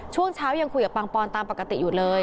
ช่วงเช้ายังคุยกับปังปอนตามปกติอยู่เลย